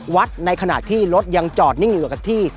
ในขณะที่รถยังจอดนิ่งอยู่กับที่